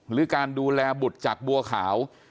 หรือการดูแลบุตรจากบัวขาว